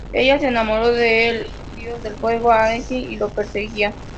Ella se enamoró de el dios del fuego, Agni, y lo perseguía.